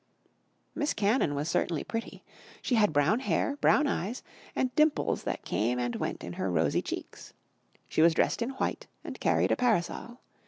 Miss Cannon was certainly pretty. She had brown hair, brown eyes, and dimples that came and went in her rosy cheeks. She was dressed in white and carried a parasol.